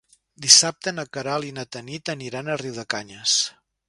Dissabte na Queralt i na Tanit aniran a Riudecanyes.